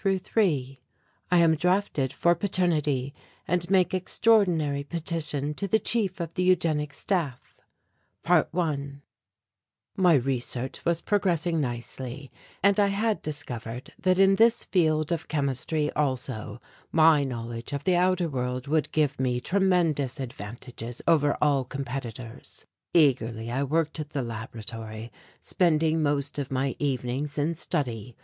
CHAPTER V I AM DRAFTED FOR PATERNITY AND MAKE EXTRAORDINARY PETITION TO THE CHIEF OF THE EUGENIC STAFF ~1~ My research was progressing nicely and I had discovered that in this field of chemistry also my knowledge of the outer world would give me tremendous advantages over all competitors. Eagerly I worked at the laboratory, spending most of my evenings in study.